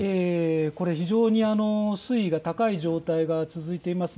非常に水位が高い状態が続いています。